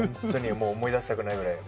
もう思い出したくないぐらい。